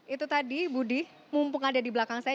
itu tadi budi mumpung ada di belakang saya